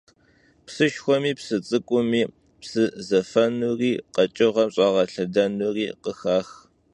Psışşxuemi psı ts'ık'umi psı zefenuri kheç'ığem ş'ağelhedenuri khıxax.